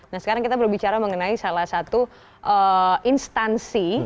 nah sekarang kita berbicara mengenai salah satu instansi